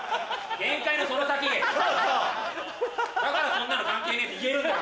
だから「そんなの関係ねえ」って言えるんだよ